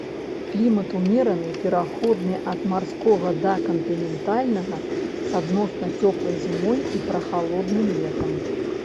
Клімат умераны, пераходны ад марскога да кантынентальнага, з адносна цёплай зімой і прахалодным летам.